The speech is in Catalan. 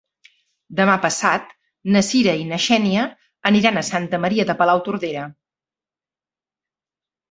Demà passat na Sira i na Xènia aniran a Santa Maria de Palautordera.